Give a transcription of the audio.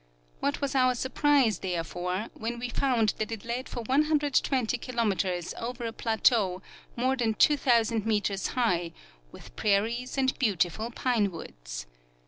What was our surprise, therefore, when we found that it led for 120 kilo meters over a plateau more than 2,000 meters high, with prairies and beautiful pine woods.